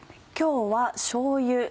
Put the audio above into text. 今日はしょうゆ